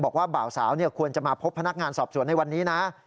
บ่าวสาวควรจะมาพบพนักงานสอบสวนในวันนี้นะ